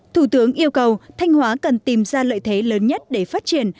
thủ tướng yêu cầu thanh hóa cần tìm ra lợi thế lớn nhất để phát triển